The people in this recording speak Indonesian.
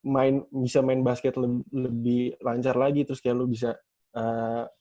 main bisa main basket lebih lancar lagi terus kayak lu bisa yakinin nyokap lu lah untuk